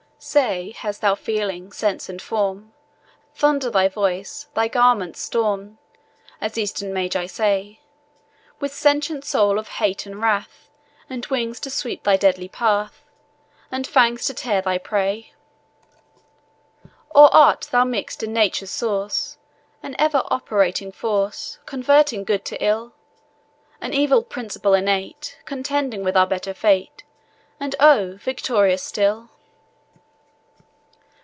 Say, hast thou feeling, sense, and form, Thunder thy voice, thy garments storm, As Eastern Magi say; With sentient soul of hate and wrath, And wings to sweep thy deadly path, And fangs to tear thy prey? Or art thou mix'd in Nature's source, An ever operating force, Converting good to ill; An evil principle innate, Contending with our better fate, And, oh! victorious still?